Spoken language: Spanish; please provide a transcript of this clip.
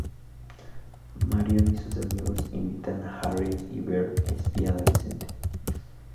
Marion y sus amigos invitan a Harriet, y ver "Espía Adolescente".